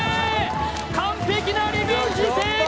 完璧なリベンジ成功！